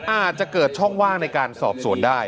อาจจะเกิดช่องว่างในการสอบสวนได้